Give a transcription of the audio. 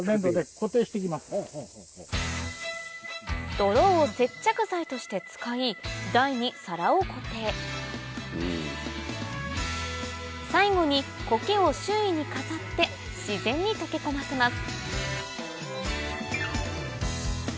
泥を接着剤として使い台に皿を固定最後にコケを周囲に飾って自然に溶け込ませます